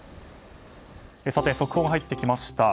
速報が入ってきました。